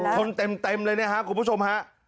เต็มเลยนะครับคุณผู้ชมฮะ